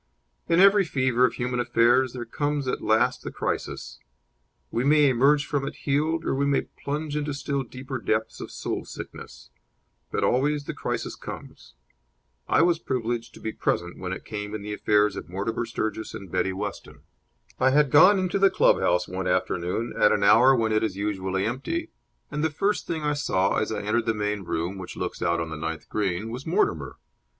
In every fever of human affairs there comes at last the crisis. We may emerge from it healed or we may plunge into still deeper depths of soul sickness; but always the crisis comes. I was privileged to be present when it came in the affairs of Mortimer Sturgis and Betty Weston. I had gone into the club house one afternoon at an hour when it is usually empty, and the first thing I saw, as I entered the main room, which looks out on the ninth green, was Mortimer.